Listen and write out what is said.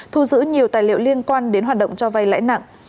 thu giữ nhiều tài liệu liên quan đến hoạt động cho vay lãi nặng